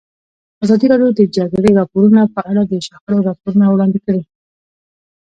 ازادي راډیو د د جګړې راپورونه په اړه د شخړو راپورونه وړاندې کړي.